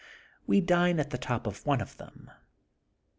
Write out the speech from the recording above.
We dine at the top of one of them.